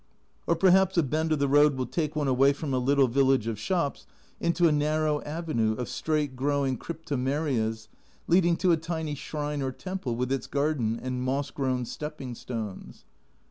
Or perhaps a bend of the road will take one away from a little village of shops into a narrow avenue of straight growing cryptomerias, leading to a tiny shrine or temple with its garden and moss grown stepping stones.